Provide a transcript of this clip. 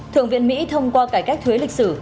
thượng viện mỹ thông qua cải cách thuế lịch sử